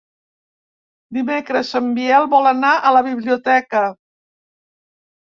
Dimecres en Biel vol anar a la biblioteca.